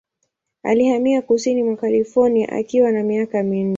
Alihamia kusini mwa California akiwa na miaka minne.